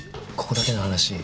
ここだけの話。